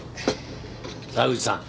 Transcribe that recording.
沢口さん。